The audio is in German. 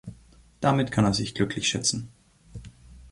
Damit kann er sich glücklich schätzen.